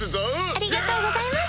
ありがとうございます。